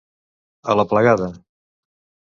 A la plegada.